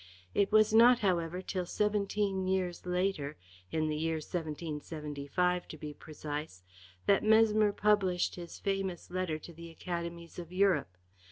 It was not, however, till seventeen years later in the year 1775, to be precise that Mesmer published his famous letter to the Academies of Europe.